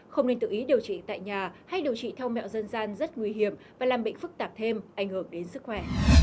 không nên tự ý điều trị tại nhà hay điều trị theo mẹo dân gian rất nguy hiểm và làm bệnh phức tạp thêm ảnh hưởng đến sức khỏe